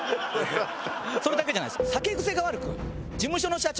それだけじゃないです。